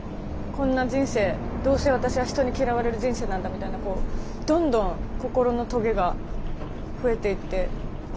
こんな人生どうせ私は人に嫌われる人生なんだみたいなこうどんどん心のトゲが増えていって転がり坂みたいに。